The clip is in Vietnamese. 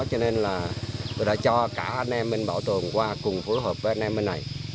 cho nên là tôi đã cho cả anh em bên bảo tồn qua cùng phối hợp với anh em bên này